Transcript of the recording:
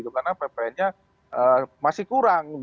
karena ppn nya masih kurang